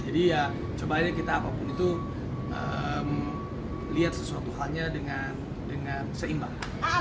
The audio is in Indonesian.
jadi ya cobalah kita apapun itu lihat sesuatu halnya dengan seimbang